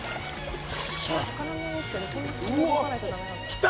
きた！